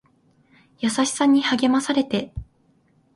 優しさに励まされて